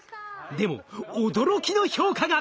でも驚きの評価が！